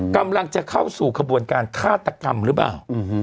กำลังจะเข้าสู่ขบวนการฆาตกรรมหรือเปล่า